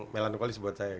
melankolis buat saya